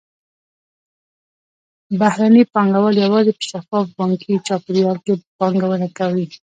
بهرني پانګهوال یوازې په شفاف بانکي چاپېریال کې پانګونه کوي.